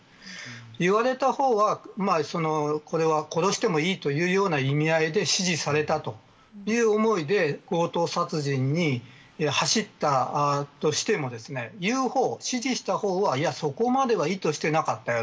言われた方は殺してもいいというような意味合いで指示されたという思いで強盗殺人に走ったとしても指示した方はそこまでは意図してなかったよ。